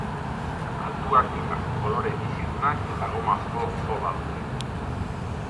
Altuak dira, kolore bizidunak eta gomazko zola dute.